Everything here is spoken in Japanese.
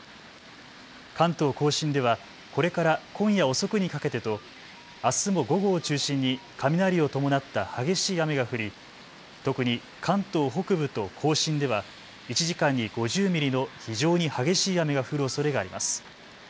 関東甲信ではこれから今夜遅くにかけてとあすも午後を中心に雷を伴った激しい雨が降り特に関東北部と甲信では１時間に５０ミリの非常に激しい雨が降るおそれがあります。